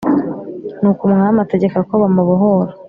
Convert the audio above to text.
Nuko umwami ategeka ko bamubohora.